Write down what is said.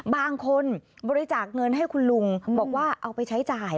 บางคนบริจาคเงินให้คุณลุงบอกว่าเอาไปใช้จ่าย